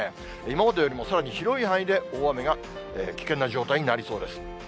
今までよりもさらに広い範囲で大雨が、危険な状態になりそうです。